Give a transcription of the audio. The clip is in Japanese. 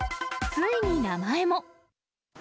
ついに名前も。